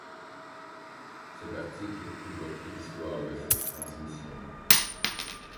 Cet article évoque l'histoire de cette transmission.